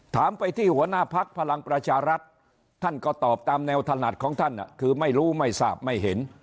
ถามไปที่หัวหน้าพักพลังประชารัฐท่านก็ตอบตามแนวถนัดของท่านคือไม่รู้ไม่ทราบไม่เห็น